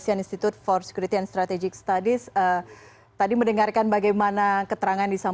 atau distribusi tugas